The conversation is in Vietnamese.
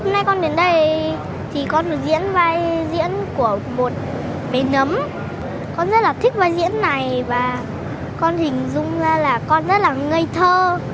một bé nấm con rất là thích vai diễn này và con hình dung ra là con rất là ngây thơ